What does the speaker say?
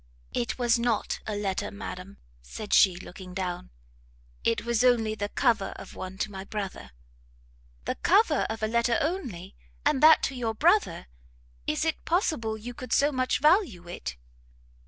"It was not a letter, madam," said she, looking down, "it was only the cover of one to my brother." "The cover of a letter only! and that to your brother! is it possible you could so much value it?"